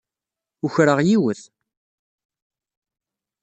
Ukreɣ yiwet.